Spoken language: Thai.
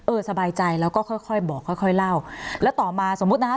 เอ่อสบายใจแล้วก็ค่อยบอกค่อยเล่าและต่อมาสมมุตินะคะ